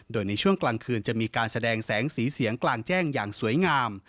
โดยในช่วงกลางคืนจะมีการแสดงแสงสีเสียงกลางแจ้งอย่างสวยงาม